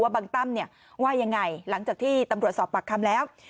บางตั้มว่ายังไงหลังจากที่ตำรวจสอบปากคำแล้ว